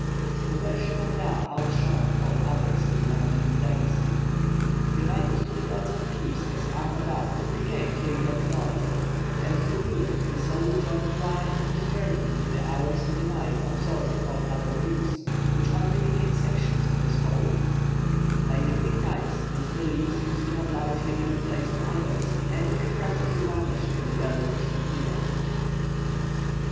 The worship of Ra outshone all others in the nineteenth dynasty. United to the god of Thebes as Amon Ra, he became 'king of the gods'; and the view that the soul joined Ra in his journey through the hours of the night absorbed all other views, which only became sections of this whole (see chap. xi). By the Greek times this belief seems to have largely given place to others, and it had practically vanished in the early Christian age.